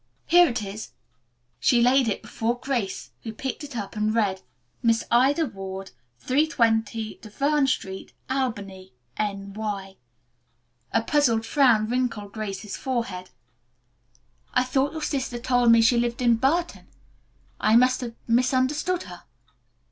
"Here it is." She laid it before Grace, who picked it up and read, "Miss Ida Ward, 320 Duverne Street, Albany, N.Y." A puzzled frown wrinkled Grace's forehead. "I thought your sister told me she lived in Burton. I must have misunderstood her."